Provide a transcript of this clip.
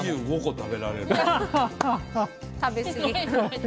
食べすぎ。